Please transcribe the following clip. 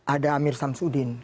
ada amir samsudin